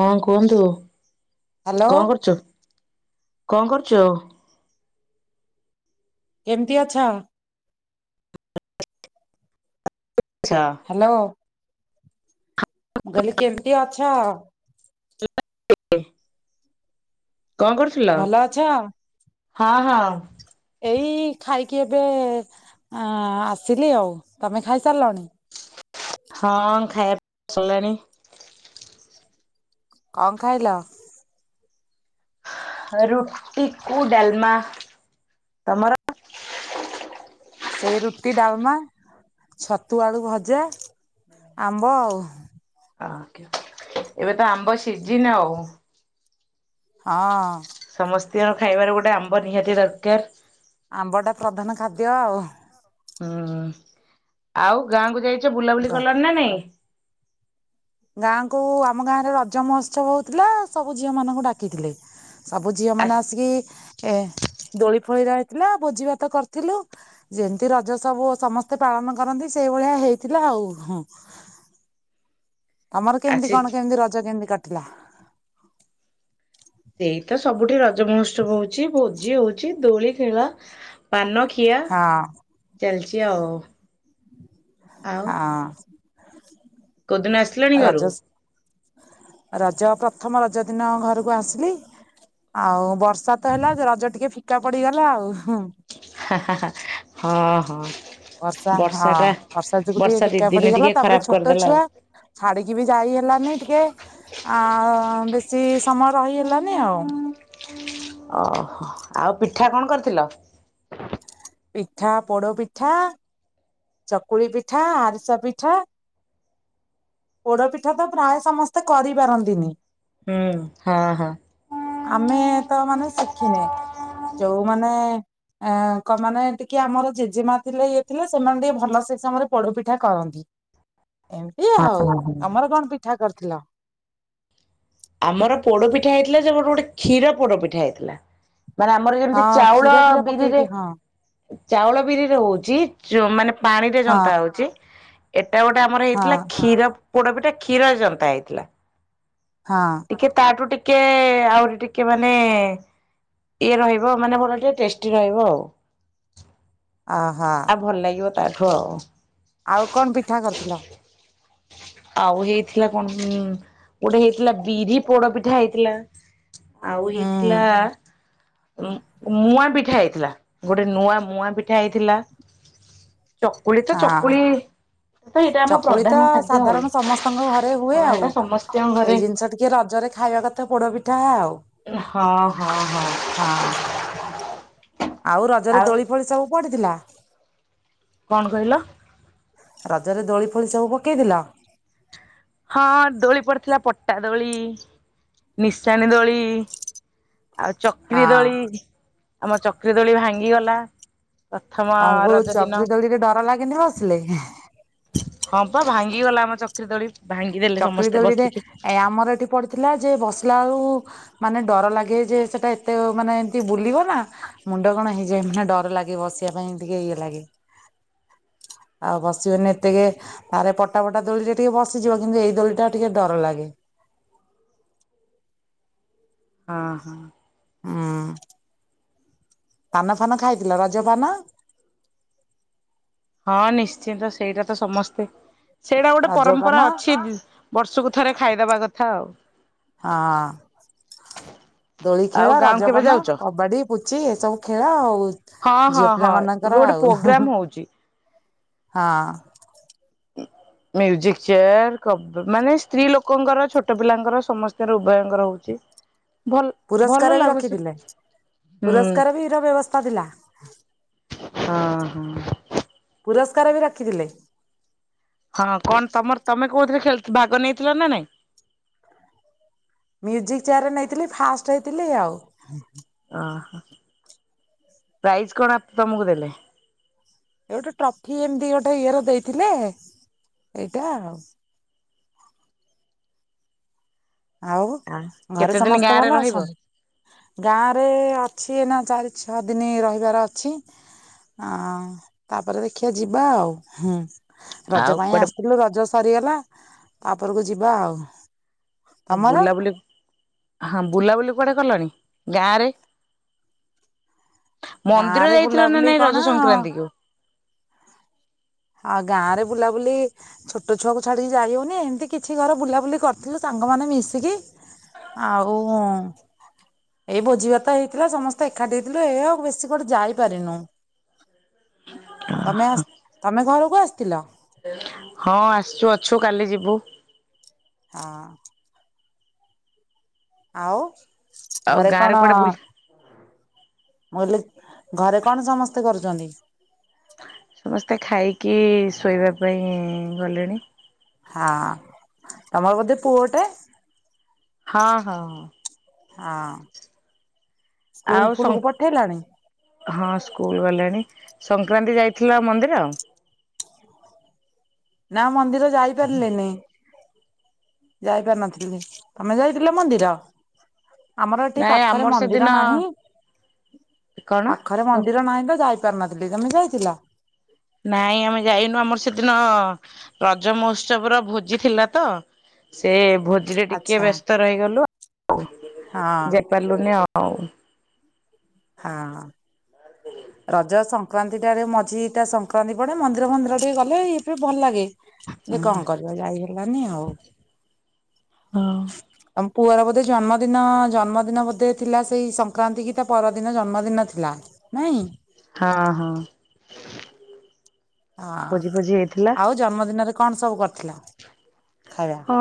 ହଁ କୁହନ୍ତୁ? ହ୍ୟାଲୋ କଣ କରୁଚୁ? କଣ କରୁଚୁ? କେମତି ଅଛ? ଆଛା। ହାଲୋ ମୁ କହିଲି କେମିତି ଅଛ? [unintelligible] କଣ କରୁ ଭଲ ଅଛ। ହଁ ଏଇ ଖାଇକି ଏବେ ଆଁ ଆସିଲି ଆଉ, ତମେ ଖାଇସାରିଲଣି। ହଁ ଖାଇବା ସରିଲାଣି। କଣ ଖାଇଲ? ରୁଟି କୁ ଡାଲମା ତମର ସେଇ ରୁଟି, ଡାଲମା, ଛତୁ, ଆଳୁ ଭଜା, ଆମ୍ବ ଆଉ। ଏବେ ତ ଆମ୍ବ ସିଜିନ ଆଉ। ହଁ। ସମସ୍ତିଙ୍କ ଖାଇବାରେ ଗୋଟେ ଆମ୍ବ ନିହାତି ଦରକାର। ଆମ୍ବ ଟା ପ୍ରଧାନ ଖାଦ୍ୟ ଆଉ। ହୁଁ, ଆଉ ଗାଁ କୁ ଯାଇଛ ବୁଲାବୁଲି କଲଣି ନା ନାଇଁ। ଗାଁକୁ ଆମ ଗାଁ ରେ ରଜ ମହୋତ୍ସବ ହଉଥିଲା ସବୁ ଝିଅ ମାନଙ୍କୁ ଡାକିଥିଲେ। ସବୁ ଝିଅ ମାନେ ଆସି ଆସିକି ଏ ଦୋଳି ଫୋଳି ରହିଥିଲା ଭୋଜି ଭାତ କରିଥିଲୁ। ଯେମିତି ରଜ ସବୁ ସମସ୍ତେ ପାଳନ କରନ୍ତି ସେଇ ଭଳିଆ ହେଇଥିଲା ଆଉ ହଁ ତମର କେମିତି ଆସି କଣ କେମିତି ରଜ କେମିତି କଟିଲା? ସେଇ ତ ସବୁଠି ରଜ ମହୋତ୍ସବ ହଉଚି, ଭୋଜି ହଉଚି, ଦୋଳି ଖେଳା। ପାନ ଖିଆ ହଁ ଚାଲିଚି ଆଉ। ଆଉ ହଁ। କୋଉଦିନ ଆସିଲାଣି ଆଉ ଘରୁ? ରଜସ୍ ରଜ, ପ୍ରଥମ ରଜ ଦିନ ଘରକୁ ଆସିଲି ଆଉ ବ ବର୍ଷା ତ ହେଲା ରଜ ଟିକେ ଫିକା ପଡିଗଲା ଆଉ ହଁ ହଁ, ହଁ। ବର୍ଷା ହଁ ବର୍ଷା ଯୋଗୁ ଟିକେ ଦି ଫିକା ଦିନେ ଟିକେ ପଡିଗଲା ତାପରେ ଖରାପ ଛୋଟ କରିଦେଲା ଆଉ। ଛୁଆ ଛାଡିକି ବି ଯାଇ ହେଲାନି ଟିକେ ଆ ବେଶୀ ସମୟ ରହିହେଲାନି ଆଉ। ଓହୋ ଆଉ ପିଠା କଣ କରିଥିଲ? ପିଠା ପୋଡ ପିଠା। ଚକୁଳି ପିଠା, ଆରିସା ପିଠା। ପୋଡ ପିଠା ତ ପ୍ରାୟ ସମସ୍ତେ କରିପାରନ୍ତିନି। ହୁଁ ହଁ ହଁ। ଆମେ ତ ମାନେ ଶିଖିନେ ଯଉମାନେ ଅ କ ମାନେ ଟିକେ ଆମର ଜେଜେମା ଥିଲେ ଇଏ ଥିଲେ ସେମାନେ ଟିକେ ଭଲ ସେ ସମୟରେ ପୋଡପିଠା କରନ୍ତି। ଏମିତି ହଁ ଆଉ। ହଁ। ତମର କଣ ପିଠା କରିଥିଲ? ଆମର ପୋଡପିଠା ହେଇଥିଲା ଯେ ଗୋଟେ ଗୋଟେ କ୍ଷୀର ପୋଡପିଠା ହେଇଥିଲା। ମାନେ ଆମର ଯେମିତି ହଁ ଚାଉଳ କ୍ଷୀର ଫିର ପକେଇକି ବିରିରେ ହଁ ଚାଉଳ ବିରିରେ ହଉଛି ଚ୍ ମାନେ ପାଣି ରେ ହଁ ଯନ୍ତା ହଉଚି। ଏଟା ଗୋଟେ ଆମର ହଁ ହେଇଥିଲା କ୍ଷୀର ପୋଡପିଠା କ୍ଷୀରରେ ଯନ୍ତା ହେଇଥିଲା। ହଁ। ଟିକେ ତାଠୁ ଟିକେ ଆହୁରି ଟିକେ ମାନେ ଇଏ ରହିବ ମାନେ ଭଲ ଟିକେ ଟେଷ୍ଟି ରହିବ ଆଉ। ଅହ। ଭଲ୍ ଲାଗିବ ତାଠୁ ଆଉ। ଆଉ କଣ ପିଠା କରିଥିଲ? ଆଉ ହେଇଥିଲା କଣ ଉଁ ଗୋଟେ ହେଇଥିଲା ବିରି ପୋଡ଼ପିଠା ହେଇଥିଲା। ଆଉ ହୁଁ। ହେଇଥିଲା ଉଁ ମୁଆଁ ପିଠା ହେଇଥିଲା ଗୋଟେ ନୂଆ ମୁଆଁ ପିଠା ହେଇଥିଲା। ଚକୁଳି ତ ହଁ ଚକୁଳି ତ ଏଇଟା ଆମ ଚକୁଳି ତ ପ୍ରଧାନ ଖା ସାଧାରଣ ସମସ୍ତଙ୍କ ଘରେ ହୁଏ ଆଉ ସମସ୍ତଙ୍କ ଏଇ ଘରେ ଜିନିଷ ଟିକେ ରଜରେ ଖାଇବା କ ଥ ପୋଡ଼ପିଠା ଆଉ। ହଁ ହଁ ହଁ। ହଁ। ଆଉ ରଜରେ ଦୋଳି ଫୋଳି ସବୁ ପଡ଼ିଥିଲା? କଣ କହିଲ? ରଜରେ ଦୋଳି ଫୋଳି ସବୁ ପକେଇଥିଲ? ହଁ ଦୋଳି ପଡ଼ିଥିଲା ପଟା ଦୋଳି, ନିଶାଣି ଦୋଳି। ଆଉ ଚକ୍ରି ହଁ ଦୋଳି ଆମ ଚକ୍ରି ଦୋଳି ଭାଙ୍ଗିଗଲା। ପ୍ରଥମ ଆଉ ଓ ରଜ ଦିନ ଚକ୍ରି ଦୋଳିରେ ଡର ଲାଗେନି ବସିଲେ? ହଁ ପା ଭାଙ୍ଗି ଗଲା ଆମ ଚକ୍ରୀ ଦୋଳି ଭାଙ୍ଗିଦେଲେ ସମସ୍ତେ ବସିକି। ପଡ଼ିଥିଲା ଯେ ବସିଲା ଅଳୁ ମାନେ ଡର ଲାଗେ ଯେ ସେଟା ଏତେ ମାନେ ଏମତି ବୁଲିବ। ନାଁ ମୁଣ୍ଡ କଣ ହେଇଯାଏ ମାନେ ଡର ଲାଗେ ବସିବା ପାଇଁ ଟିକେ ଇଏ ଲାଗେ। ଆଉ ବସିବନି ଏତକେ ତାରେ ପଟା ଫଟା ଦୋଳିରେ ଟିକେ ବସିଯିବ। କିନ୍ତୁ ଏଇ ଦୋଳିଟା ଟିକେ ଡର ଲାଗେ। ଅଁ ହଁ। ହୁଁ ପାନ ଫାନ ଖାଇଥିଲ ରଜ ପାନ? ହଁ ନିଶ୍ଚିନ୍ତ ସେଇଟା ତ ସମସ୍ତେ ସେଇଟା ଗୋଟେ ରଜପାନ ପରମ୍ପରା ଅଛି ଦି ବର୍ଷୁକୁ ଥରେ ଖାଇଦବା କଥା ଆଉ। ହଁ ଦୋଳି ଆଉ ଖେଳ ଗାଁ କେବେ ରଜପର୍ବ ଯାଉଛ? କବାଡି଼। ପୁଚି ଏ ସବୁ ଖେଳ ଆଉ ହଁ ହଁ ଝିଅ ହଁ ଏବେ ପିଲାମାନଙ୍କର ଗୋଟେ ପ୍ରୋଗ୍ରାମ ଆଉ। ହଉଛି ହଁ। ମ୍ୟୁଜିକ୍ ଚିୟାର୍ କବ୍ ମାନେ ସ୍ତ୍ରୀ ଲୋକଙ୍କର ଛୋଟ ପିଲାଙ୍କର ସମସ୍ତିଙ୍କର ଉଭୟଙ୍କର ହଉଚି। ପୁରସ୍କାର ବି ରଖିଥିଲେ ହୁଁ ପୁରସ୍କାର ବି ର ବ୍ୟବସ୍ଥା ଥିଲା? ହଁ ହଁ? ପୁରସ୍କାର ବି ରଖିଥିଲେ। ହଁ କଣ ତମର ତମେ କୋଉଥିରେ ଖେଳଥ୍ ଭାଗ ନେଇଥିଲ ନାଁ ନାଇଁ? ମ୍ୟୁଜିକ୍ ଚେୟାର୍ ରେ ନେଇଥିଲି ଫାଷ୍ଟ ହେଇଥିଲି ଆଉ। ଓହୋ ପ୍ରାଇଜ କଣ ଆ ତମୁକୁ ଦେଲେ? ଏ ଗୋଟେ ଟ୍ରଫି ଏମତି ଗୋଟେ ଇଏର ଦେଇଥିଲେ ଏଇଟା ଆଉ। ଆଉ ଆ ଘରେ କେତେ ଦିନ ସମସ୍ତେ ଗାଁ ରେ ଭଲ ରହିବ? ଅଛନ୍ତି? ଗାଁରେ ଅଛି ଏନା ଚାରି ଛଅ ଦିନି ରହିବାର ଅଛି। ଅଁ ତାପରେ ଦେଖିଆ ଯିବା ଆଉ ହୁଁ? ଆଉ ରଜ ପାଇଁ କୁଆଡେ ଆସିଥିଲୁ ରଜ ସରିଗଲା ତାପରକୁ ଯିବା ଆଉ। ଉ ତମର ବୁଲାବୁଲି ହଁ ବୁଲାବୁଲି କୁଆଡ଼େ କଲଣି ଗାଁରେ? ଗାଁ ମନ୍ଦିର ରେ ଯାଇଥିଲ ନାଁ ବୁଲାବୁଲି ନାଇଁ କଣ ରଜ ସଂକ୍ରାନ୍ତିକୁ? ଆଉ ଗାଁ ରେ ବୁଲାବୁଲି ଛୋଟ ଛୁଆକୁ ଛାଡ଼ିକି ଯାଇହଉନି, ଏମିତି କିଛି ଘର ବୁଲାବୁଲି କରିଥିଲୁ ସାଙ୍ଗମାନେ ମିଶିକି ଆଉ ଏଇ ଭୋଜି ଭାତ ହେଇଥିଲା, ସମସ୍ତେ ଏକାଠି ହେଇଥିଲୁ, ଏଇଆ ଆଉ, ବେଶୀ କୁଆଡେ ଯାଇପାରିନୁ। ତମେ ଆ, ତମେ ଘରକୁ ଆସିଥିଲ? ହଁ, ଆସିଚୁ ଅଛୁ, କାଲି ଯିବୁ। ଆ ଆଉ ଆଉ ଘରେ ଗାଁ ରେ କଣ କୁଆଡେ ବୁଲି ମୁଁ କହିଲି ଘରେ କଣ ସମସ୍ତେ କରୁଚନ୍ତି? ସମସ୍ତେ ଖାଇକି ଶୋଇବା ପାଇଁ ଗଲେଣି। ହଁ, ତମର ବୋଧେ ପୁଅଟେ? ହଁ ହଁ ହଁ? ହଁ, ଆଉ ସ୍କୁଲ ସଂ ଫୁଲ କୁ ପଠେଇଲଣି? ହଁ ସ୍କୁଲ ଗଲେଣି, ସଂକ୍ରାନ୍ତି ଯାଇଥିଲ ଆ ମନ୍ଦିର? ନା ମନ୍ଦିର ଯାଇପାରିଲିନି। ଯାଇପାରିନଥିଲି, ତମେ ଯାଇଥିଲ ମନ୍ଦିର? ଆମର ଏଠି ନାଇଁ ପାଖରେ ଆମର ସେଦିନ ମନ୍ଦିର ନାହିଁ, କଣ? ପାଖ ପାଖ ରେ ମନ୍ଦିର ନାହିଁ ତ, ଯାଇପାରିନଥିଲି, ତମେ ଯାଇଥିଲ? ନାଇଁ ଆମେ ଯାଇନୁ, ଆମର ସେଦିନ, ରଜ ମହୋତ୍ସବ ର ଭୋଜି ଥିଲା ତ ସେ ଭୋଜିରେ ଟିକେ ଆଚ୍ଛା ବ୍ୟସ୍ତ ରହିଗଲୁ ଆଉ, ହଁ ପାରିଲୁନି ଆଉ। ହଁ ହୁଁ? ରଜ ସଂକ୍ରାନ୍ତି ଟାଡେ ମଝି ଟା ସଂକ୍ରାନ୍ତି ପଡେ, ମନ୍ଦିର ମନ୍ଦିର ଟିକେ ଗଲେ, ଇଏଫିଏ ଭଲ ଲାଗେ। ଇଏ କଣ କରିବ, ଯାଇ ହେଲାନି ଆଉ। ହଁ। ତମ ପୁଅର ବୋଧେ ଜନ୍ମଦିନ, ଜନ୍ମଦିନ ବୋଧେ ଥିଲା ସେଇ ସଂକ୍ରାନ୍ତି କି, ତା ପରଦିନ ଜନ୍ମଦିନ ଥିଲା। ନାଇଁ ହଁ ହଁ? ହଁ ଭୋଜି ଫୋଜି ହେଇଥିଲା ଆଉ ଜନ୍ମଦିନରେ କଣ ସବୁ କରିଥିଲ, ଖାଇବା? ହଁ,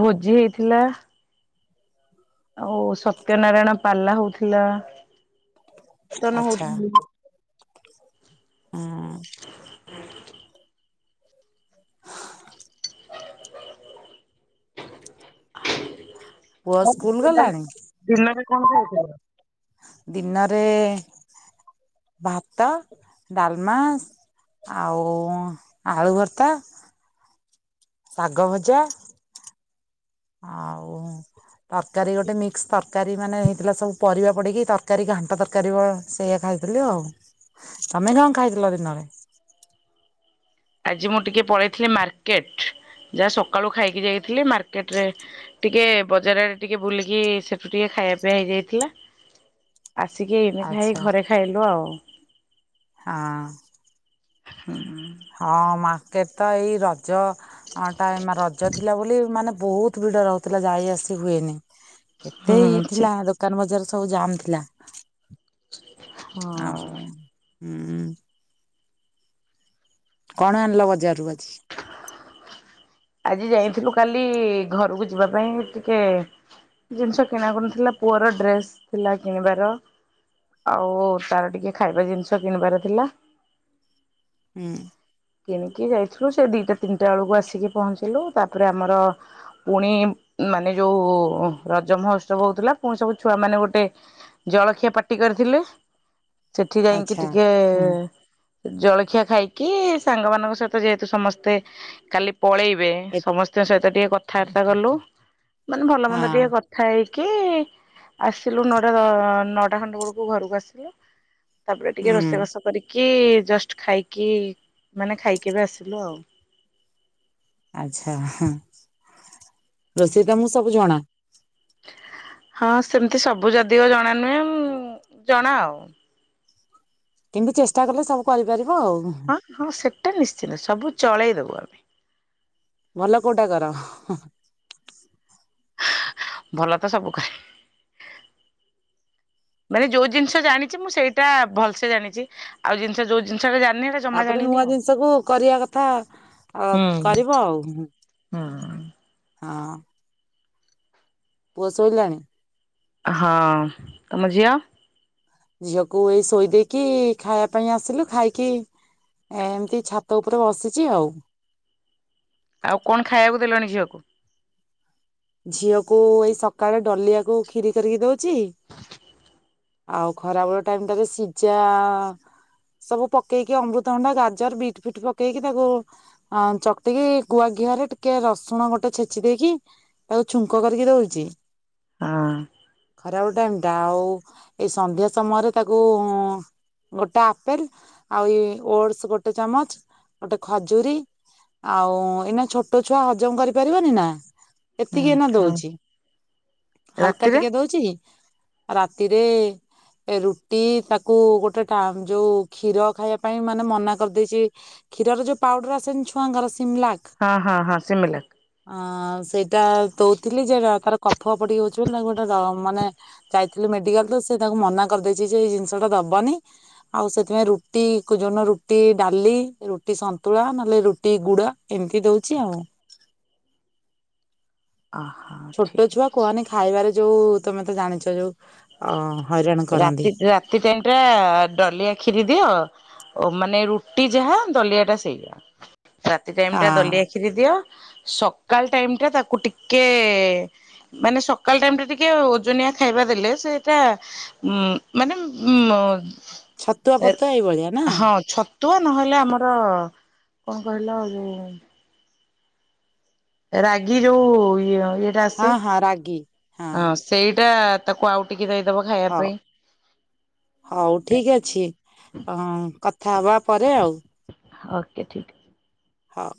ଭୋଜି ହେଇଥିଲା। ଆଉ ସତ୍ୟ ନାରାୟଣ ପାଲା ହଉଥିଲା, କୀର୍ତ୍ତନ ଆଚ୍ଛା ହଉଥି ହଁ ଅଁ? ପୁଅ ହଉ ସ୍କୁଲ ଦିନରେ, ଗଲାଣି ଦିନରେ କଣ ଖାଇଥିଲେ? ଦିନରେ ଭାତ, ଡାଲମା ଆଉ ଆଳୁ ଭର୍ତା ଶାଗ ଭଜା, ଆଉ ତରକାରୀ ଗୋଟେ ମିକ୍ସ ତରକାରୀ ମାନେ ହେଇଥିଲା, ସବୁ ପରିବା ପଡ଼ିକି ତରକାରୀ ଘାଣ୍ଟ ତରକାରୀ ଭ ସେଇଆ ଖାଇଥିଲି ଆଉ, ତମେ କଣ ଖାଇଥିଲ ଦିନରେ? ଆଜି ମୁଁ ଟିକିଏ ପଳେଇଥିଲି ମାର୍କେଟ, ଯାହା ସକାଳୁ ଖାଇକି ଯାଇଥିଲି, ମାର୍କେଟରେ ଟିକେ ବଜାର ଆଡେ ଟିକେ ବୁଲିକି, ସେଠୁ ଟିକେ ଖାଇବା ପିଇବା ହେଇଯାଇଥିଲା। ଆସିକି ଏଇନିକା ହେଇ ଆଚ୍ଛା ଘରେ ଖାଇଲୁ ଆଉ। ହଁ ହୁଁ ହଁ, ମାକେଟ ତ ଏଇ ର ରଜ, ଅଁ ଟାଇମ୍, ରଜ ଥିଲା ବୋଲି ମାନେ ବହୁତ ଭିଡ଼ ରହୁଥିଲା ଯାଇ ଆସି ହୁଏନି। ଏତେ ଇଏ ହୁଁ ସେ ଥିଲା, ଦୋକାନ ବଜାର ସବୁ ଜାମ ଥିଲା। ହଁ ଆଉ, ହୁଁ। କଣ ଆଣିଲ ବଜାରରୁ ଆଜି? ଆଜି ଯାଇଥିଲୁ କାଲି ଘରକୁ ଯିବା ପାଇଁ ଟିକେ ଜିନିଷ କିଣାକୁଣି ଥିଲା, ପୁଅର ଡ୍ରେସ ଥିଲା କିଣିବାର। ଆଉ ତାର ଟିକେ ଖାଇବା ଜିନିଷ କିଣିବାର ଥିଲା। ହୁଁ। କିଣିକି ଯାଇଥିଲୁ ସେ ଦିଟା ତିନିଟା ବେଳକୁ ଆସିକି ପହଞ୍ଚିଲୁ, ତାପରେ ଆମର ପୁଣି ମାନେ ଯୋଉ ରଜ ମହୋତ୍ସବ ହଉଥିଲା, ପୁଣି ସବୁ ଛୁଆ ମାନେ ଗୋଟେ ଜଳଖିଆ ପାଟି କରିଥିଲେ, ସେଠି ଯାଇଁକି ଆଚ୍ଛା ଟିକେ ହୁଁ। ଜଳଖିଆ ଖାଇକି ସାଙ୍ଗମାନଙ୍କ ସହିତ ଯେହେତୁ ସମସ୍ତେ କାଲି ପଳେଇବେ ଏ ସମସ୍ତଙ୍କ ସହିତ ଟିକେ କଥାବାର୍ତ୍ତା କଲୁ, ମାନେ ଭଲ ହଁ ମନ୍ଦ ଟିକେ କ ଥା ହେଇକି ଆସିଲୁ ନଅଟା ଦ ନଅଟା ଖଣ୍ଡେ ବେଳକୁ ଘରକୁ ଆସିଲୁ। ତାପରେ ଟିକେ ହୁଁ ରୋଷେଇ ବାଷ କରିକି ଜଷ୍ଟ ଖାଇକି ମାନେ ଖାଇକି ଏବେ ଆସିଲୁ ଆଉ। ଆଚ୍ଛା ହଁ, ରୋଷେଇ ତମକୁ ସବୁ ଜଣା? ହଁ, ସେମିତି ସବୁ ଯାଦିଓ ଜଣା ନୁହେଁ, ଉଁ ଜଣା ଆଉ। କିନ୍ତୁ ଚେଷ୍ଟା କଲେ ସବୁ କରିପାରିବ ଆଉ। ହଁ ହଁ, ସେଟା ନିଶ୍ଚିନ୍ତ ସବୁ ଚଳେଇଦବୁ ଆମେ। ଭଲ କୋଉଟା କର? ଭଲ ତ ସବୁ କରେ। ମାନେ ଯୋଉ ଜିନିଷ ଜାଣିଛି ମୁଁ ସେଇଟା ଭଲ ସେ ଜାଣିଛି, ଆଉ ଜିନିଷ ଯୋଉ ଜିନିଷ ଟା ଜାଣିନି ହେଟା ତାପରେ ନୂଆ ଜିନିଷ କୁ କରିବା କଥା ଆଉ ହୁଁ କରିବ ଆଉ ହୁଁ, ହୁଁ। ହୁଁ। ହଁ। ପୁଅ ଶୋଇଲାଣି? ହଁ, ତମ ଝିଅ? ଝିଅକୁ ଏଇ ଶୋଇ ଦେଇକି ଖାଇବା ପାଇଁ ଆସିଲୁ, ଖାଇକି ଏ ଏମିତି ଛାତ ଉପରେ ବସିଛି ଆଉ। ଆଉ କଣ ଖାଇବାକୁ ଦେଲଣି ଝିଅକୁ? ଝିଅକୁ ଏଇ ସକାଳେ ଡଲିଆକୁ ଖିରି କରିକି ଦଉଛି। ଆଉ ଖରାବେଳ ଟାଇମ୍ ଟା ରେ ସିଝା ସବୁ ପକେଇକି ଅମୃତଭଣ୍ଡା, ଗାଜର, ବିଟ୍ ଫିଟ୍ ପକେଇକି ତାକୁ ହଁ, ଚକଟିକି ଗୁଆ ଘିଅରେ ଟିକିଏ ରସୁଣ ଗୋଟେ ଛେଚି ଦେଇକି ତାକୁ ଛୁଙ୍କ କରିକି ଦଉଛି। ଆଁ ଖରା ବେଳ ଟାଇମ୍ ଟା ଆଉ ଏଇ ସନ୍ଧ୍ୟା ସମୟରେ ତାକୁ ଉଁ ଗୋଟେ ଆପେଲ୍ ଆଉ ଇଏ ଓଟସ୍ ଗୋଟେ ଚାମଚ ଗୋଟେ ଖଜୁରୀ ଆଉ ଏଇନା ଛୋଟ ଛୁଆ ହଜମ କରିପାରିବନି ନା ହୁଁ ଏତିକି ଏଇନା ହଁ ଦଉଛି, ହାଲକା ରାତିରେ ଟିକେ ଦଉଛି। ଆଉ ରାତିରେ ଏ ରୁଟି ତାକୁ ଗୋଟେ ଟାମ୍ ଯୋଉ କ୍ଷୀର ଖାଇବା ପାଇଁ ମାନେ ମନା କରିଦେଇଛି। କ୍ଷୀର ରେ ଯୋଉ ପାଉଡର ଆସେନି ଛୁଆଙ୍କର ସିମଲାକ୍ ହଁ, ହଁ, ହଁ ସିମିଲକ୍। ଅଁ ସେଇଟା ଦଉଥିଲି ଯେ ଏରା ତାର କଫ ପଡ଼ି ହଉଛି ବୋଲି ତା ଗୋଟେ ର ମାନେ ଯାଇଥିଲୁ ମେଡିକାଲ ତ ସେ ତାଙ୍କୁ ମନା କରିଦେଇଛି, ଯେ ଏ ଜିନିଷଟା ଦବନି। ଆଉ ସେଥିପାଇଁ ରୁଟି କୁ ଯୋଉଦିନ ରୁଟି ଡାଲି, ରୁଟି ସନ୍ତୁଳା, ନହେଲେ ରୁଟି ଗୁଡ ଏମିତି ଦୋଉଚି ଆଉ। [inaudible] ଛୋଟ ଛୁଆ କୁହନି ଖାଇବାରେ ଯୋଉ ତମେ ତ ଜାଣିଛ ଯୋଉ ଅ ହଇରାଣ କରନ୍ତି। ରାତି ଟା ରାତି ଟାଇମ୍ ଟା ଡଲିଆ କ୍ଷୀରି ଦିଅ। ଓ ମାନେ ରୁଟି ଯାହା ଦଲିଆଟା ସେଇଆ ରାତି ଟାଇମ ଟା ହଁ ଦଲିଆ ଖି କ୍ଷୀରି ଦିଅ ସକାଳ ଟାଇମଟା ତାକୁ ଟିକେ ମାନେ ସକାଳ ଟାଇମଟା ଟିକେ ଓଜନିଆ ଖାଇବା ଦେଲେ ସେ [unintelligible] ଛତୁଆ ପତୁଆ ଏଇଭଳିଆ ନା ହଁ ଛତ୍ ତୁ ନହେଲେ ଆମର କଣ କହିଲ ଯୋଉ ରାଗି ଯୋଉ ଇଏ ଅ ଇଏଟା ହଁ ଆସେ ହଁ ରାଗି ହଁ ହ ସେଇଟା ତାକୁ ଆଉ ଟିକେ ଦେଇଦବ ଖାଇବା ହଉ ପାଇଁ। ହଉ ଠିକ ଅଛି ହଁ ଅ କଥା ହବା ପରେ ଆଉ। ଓକେ ଠିକ୍ ଅ ହଁ।